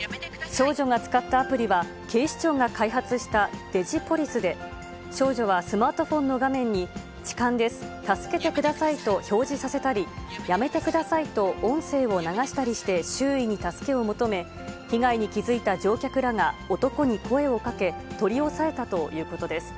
少女が使ったアプリは、警視庁が開発したデジポリスで、少女はスマートフォンの画面に、痴漢です、助けてくださいと表示させたり、やめてくださいと音声を流したりして、周囲に助けを求め、被害に気付いた乗客らが男に声をかけ、取り押さえたということです。